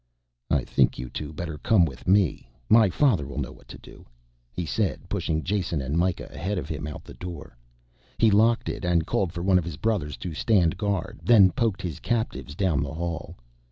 "I think you two better come with me, my father will know what to do," he said, pushing Jason and Mikah ahead of him out the door. He locked it and called for one of his brothers to stand guard, then poked his captives down the hall.